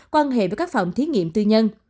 quan hệ với các phòng thí nghiệm tư nhân